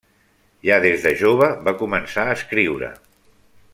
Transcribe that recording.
Ja des de jove va començar a escriure.